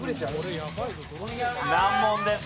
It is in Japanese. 難問です。